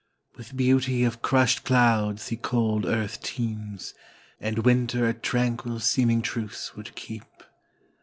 With beauty of crushed clouds the cold earth teems, And winter a tranquil seeming truce would keep.